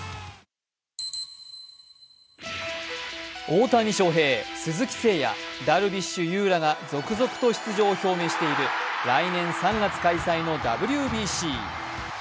大谷翔平、鈴木誠也、ダルビッシュ投手らが続々と出場を表明している来年３月開催のＷＢＣ。